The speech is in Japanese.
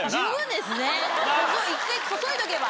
１回こそいどけば。